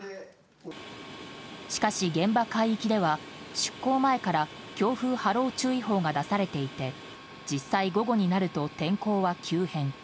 しかし、現場海域では出航前から強風波浪注意報が出されていて実際、午後になると天候は急変。